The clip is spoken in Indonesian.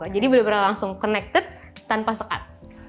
jadi benar benar langsung connected tanpa sekat